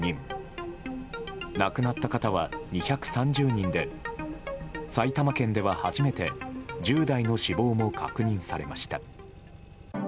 亡くなった方は２３０人で埼玉県では初めて１０代の死亡も確認されました。